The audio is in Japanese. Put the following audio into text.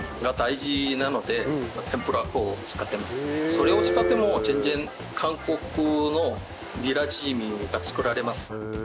それを使っても全然韓国のニラチヂミが作れます。